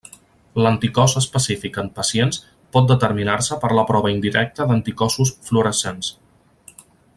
L'anticòs específic en pacients pot determinar-se per la prova indirecta d'anticossos fluorescents.